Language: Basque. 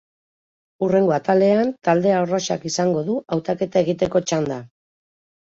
Hurrengo atalean talde arrosak izango du hautaketa egiteko txanda.